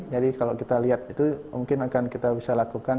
jadi kalau kita lihat itu mungkin akan kita bisa lakukan